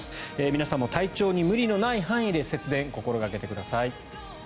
皆さんも体調に無理のない範囲で節電を心掛けてください。